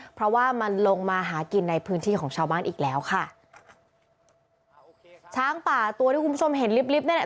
เพราะว่ามันลงมาหากินในพื้นที่ของชาวบ้านอีกแล้วค่ะช้างป่าตัวที่คุณผู้ชมเห็นลิฟลิฟต์นั่นแหละ